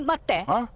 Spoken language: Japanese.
あっ？